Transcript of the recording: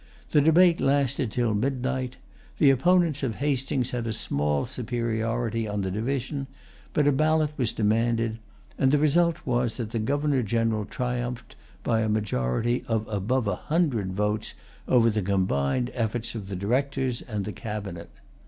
The debate lasted till midnight. The opponents of Hastings had a small superiority on the division; but a ballot was demanded; and the result was that the Governor General triumphed by a majority of above a hundred votes over the combined efforts of the Directors and the Cabinet.